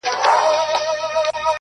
ستا د کتاب د ښوونځیو وطن!.